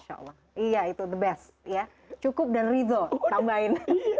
insya allah iya itu the best ya cukup dan ridho tambahin